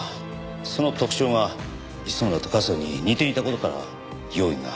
その特徴が磯村と春日に似ていた事から容疑が。